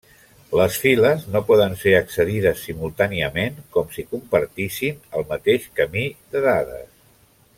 Les files no poden ser accedides simultàniament com si compartissin el mateix camí de dades.